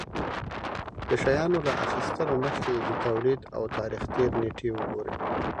د شيانو له اخيستلو مخکې يې د توليد او تاريختېر نېټې وگورئ.